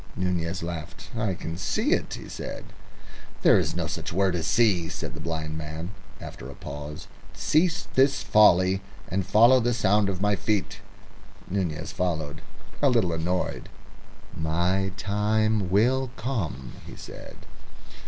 Nunez laughed. "I can see it," he said. "There is no such word as see," said the blind man, after a pause. "Cease this folly, and follow the sound of my feet." Nunez followed, a little annoyed. "My time will come," he said.